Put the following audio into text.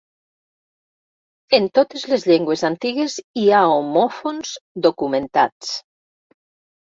En totes les llengües antigues hi ha homòfons documentats.